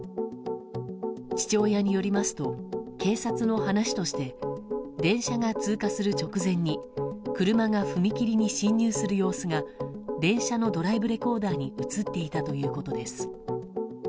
父親によりますと警察の話として電車が通過する直前に車が踏切に進入する様子が電車のドライブレコーダーに映っていたということです。